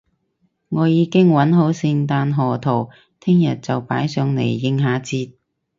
我已經搵好聖誕賀圖，聽日就會擺上嚟應下節